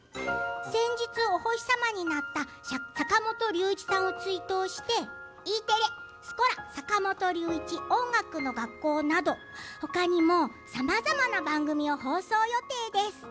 先日、お星様になった坂本龍一さんを追悼してＥテレ「スコラ音楽の学校」などほかにもさまざまな番組を紹介予定です。